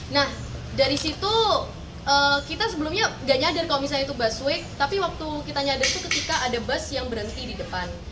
nah dari situ kita sebelumnya gak nyadar kalau misalnya itu busway tapi waktu kita nyadar itu ketika ada bus yang berhenti di depan